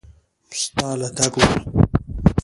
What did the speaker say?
ستا له تګ وروسته مې